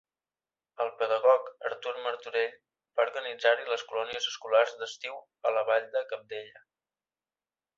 El pedagog Artur Martorell va organitzar-hi les Colònies Escolars d'Estiu a la vall de Cabdella.